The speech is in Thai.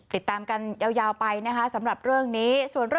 ติดตามกันยาวไปนะคะสำหรับเรื่องนี้